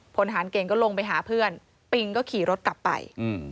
พลฐานเก่งก็ลงไปหาเพื่อนปิงก็ขี่รถกลับไป